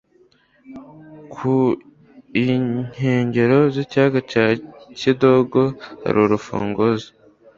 Ku inkengero z' ikiyaga cya kidogo hari urufunzo